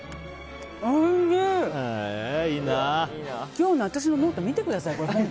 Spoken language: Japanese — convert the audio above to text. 今日の私のノート見てください。